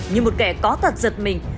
như một kẻ có thật giật mình